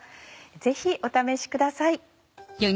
ぜひお試しください。